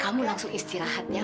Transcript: kamu langsung istirahat ya